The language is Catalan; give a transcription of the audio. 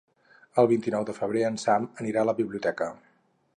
El vint-i-nou de febrer en Sam anirà a la biblioteca.